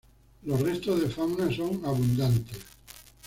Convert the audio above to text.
Los restos de fauna son abundantes.